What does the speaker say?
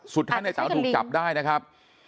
สุทัศน์นายเต๋าถูกจับได้นะครับ